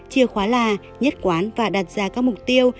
chia khóa là nhất quán và đặt ra các mục tiêu